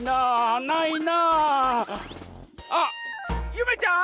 ☎ゆめちゃん？